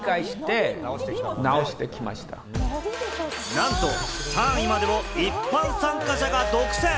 なんと３位までを一般参加者が独占！